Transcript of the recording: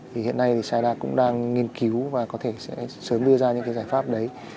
thì hiện nay thì saida cũng đang nghiên cứu và có thể sẽ sớm đưa ra những cái giải pháp đấy